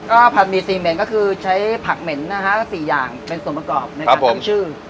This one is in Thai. ก็ผัดมี๔เมลต์ก็คือใช้ผักเหม็น๔อย่างเป็นส่วนประกอบในการทำชื่อ